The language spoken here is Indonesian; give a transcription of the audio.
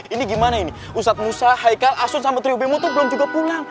ini gimana ini ustadz musa haikal asun sama triwbimo itu belum juga pulang